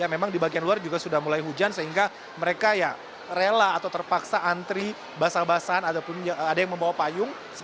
memang di bagian luar juga sudah mulai hujan sehingga mereka rela atau terpaksa antri basah basahan ataupun ada yang membawa payung